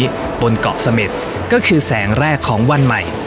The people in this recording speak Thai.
วันนี้บนเกาะเสม็ดก็คือแสงแรกของวันใหม่